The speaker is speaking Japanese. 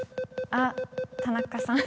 あっ田中さん